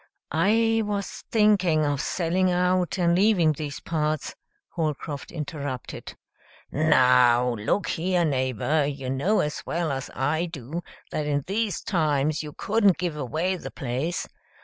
"I was thinking of selling out and leaving these parts," Holcroft interrupted. "Now look here, neighbor, you know as well as I do that in these times you couldn't give away the place.